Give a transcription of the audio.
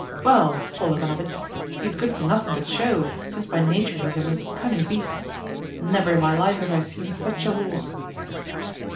"Well, Paul Ivanovitch, he is good for nothing but show, since by nature he is a most cunning beast. Never in my life have I seen such a horse."